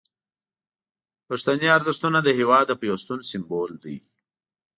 پښتني ارزښتونه د هیواد د پیوستون سمبول دي.